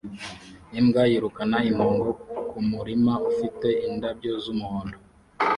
Imbwa yirukana impongo kumurima ufite indabyo z'umuhondo